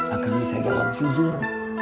akang bisa jawab jujur